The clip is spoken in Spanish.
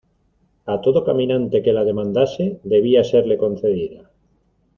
a todo caminante que la demandase debía serle concedida.